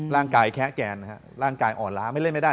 ร่างกายแคะแกนนะครับร่างกายอ่อนล้าไม่เล่นไม่ได้